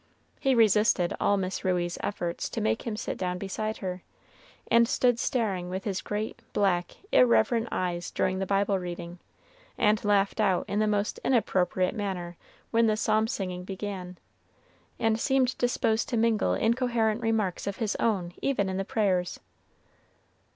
He resisted all Miss Ruey's efforts to make him sit down beside her, and stood staring with his great, black, irreverent eyes during the Bible reading, and laughed out in the most inappropriate manner when the psalm singing began, and seemed disposed to mingle incoherent remarks of his own even in the prayers.